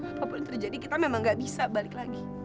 apapun yang terjadi kita memang gak bisa balik lagi